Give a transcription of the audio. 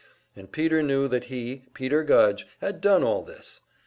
And Peter knew that he, Peter Gudge, had done all this!